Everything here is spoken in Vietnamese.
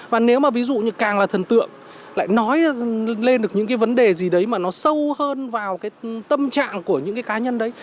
và nếu mà ví dụ như càng là thần tượng lại nói lên được những cái vấn đề gì đấy mà nó sâu hơn vào cái tâm trạng của những cái cá nhân đấy